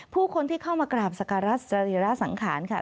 ผู้คนที่เข้ามากราบสการัสรีระสังขารค่ะ